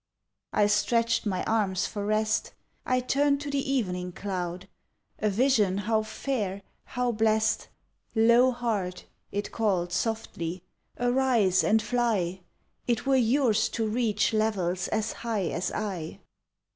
I stretched my arms for rest, I turned to the evening cloud A vision how fair, how blest! "Low heart," it called, softly, "arise and fly. It were yours to reach levels as high as I."